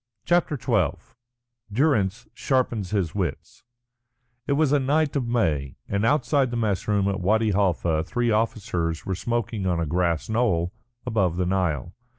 CHAPTER XII DURRANCE SHARPENS HIS WITS It was a night of May, and outside the mess room at Wadi Halfa three officers were smoking on a grass knoll above the Nile.